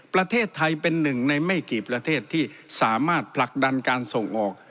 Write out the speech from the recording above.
ประเทศไทยเป็นหนึ่งในไม่กี่ประเทศที่สามารถผลักดันการส่งออก